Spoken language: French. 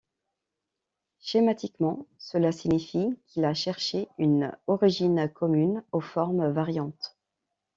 Schématiquement, cela signifie qu’il a cherché une origine commune aux formes variantes.